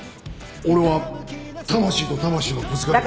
俺は魂と魂のぶつかり合いで。